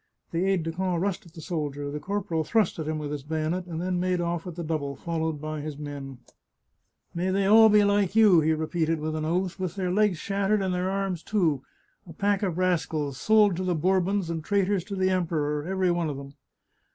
The aide de camp rushed at the soldier. The corporal thrust at him with his bayonet, and then made off at the double, followed by his men. 56 The Chartreuse of Parma " May they all be like you !" he repeated with an oath. " With their legs shattered and their arms too ! A pack of rascals, sold to the Bourbons and traitors to the Emperor, every one of them